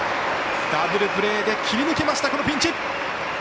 ダブルプレーで切り抜けましたこのピンチ！